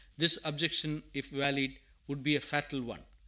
This objection, if valid, would be a fatal one.